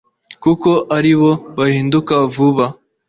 kuko aribo bahinduka vuba